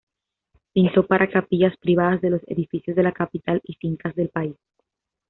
Pintó para capillas privadas de los edificios de la capital y fincas del país.